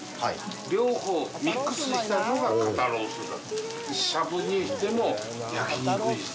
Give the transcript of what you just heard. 両方をミックスしたのが肩ロースだ。